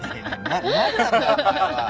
なんなんだよお前は！